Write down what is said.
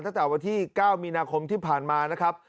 ตั้งแต่วันที่๙มีนาคมที่ผ่านมานะครับ